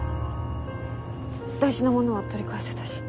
大事なものは取り返せたし。